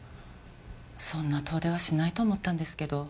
そんな遠出はしないと思ったんですけど。